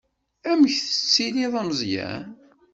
Amek tettiliḍ a Meẓyan?